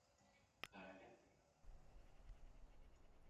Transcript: The identity of the wreck is unknown.